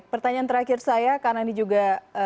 pertanyaan terakhir saya karena ini juga